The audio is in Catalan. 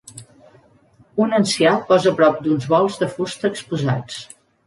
Un ancià posa prop d'uns bols de fusta exposats.